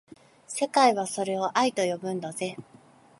世界はそれを愛と呼ぶんだぜ